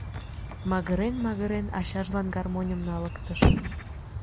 Магырен-магырен, ачажлан гармоньым налыктыш.